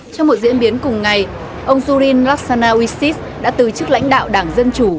trong một diễn biến cùng ngày ông surin laksanawisit đã từ chức lãnh đạo đảng dân chủ